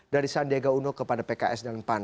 dari sandiaga uno kepada pks dan pan